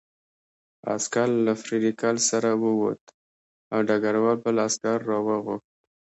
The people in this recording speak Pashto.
عسکر له فریدګل سره ووت او ډګروال بل عسکر راوغوښت